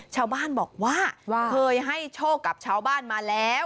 ชาวบ้านบอกว่าเคยให้โชคกับชาวบ้านมาแล้ว